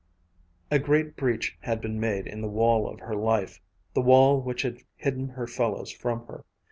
A great breach had been made in the wall of her life the wall which had hidden her fellows from her.